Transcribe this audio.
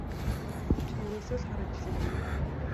Чи ерөөсөө л хар ажлын хүн.